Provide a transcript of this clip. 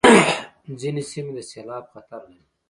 ځینې سیمې د سېلاب خطر لري.